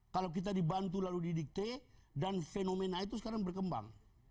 kalau kita dibantu lalu didikte dan fenomena itu sekarang berkembang